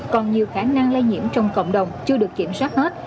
còn nhiều khả năng lây nhiễm trong cộng đồng chưa được kiểm soát hết